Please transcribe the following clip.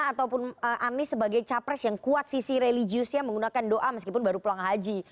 ataupun anies sebagai capres yang kuat sisi religiusnya menggunakan doa meskipun baru pulang haji